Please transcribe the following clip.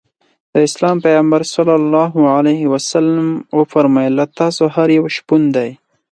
د اسلام پیغمبر ص وفرمایل له تاسو هر یو شپون دی.